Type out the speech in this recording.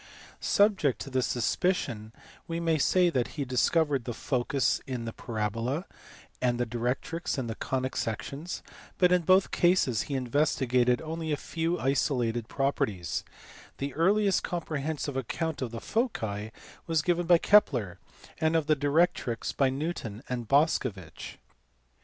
Subject to this suspicion we may say that he discovered the focus in the parabola, and the directrix in the conic sections, but in both cases he investigated only a few isolated properties: the earliest comprehensive account of the foci was given by Kepler, and of the directrix by Newton and Boscovich.